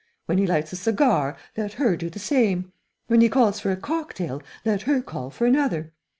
When he lights a cigar, let her do the same; when he calls for a cocktail, let her call for another.